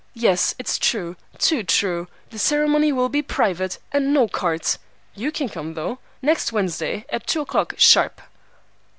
"Yes, it's true, too true. The ceremony will be private, and no cards. You can come, though! Next Wednesday, at two o'clock, sharp!"